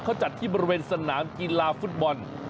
เขาจัดที่บริเวณสนามกีฬาฟุตบอล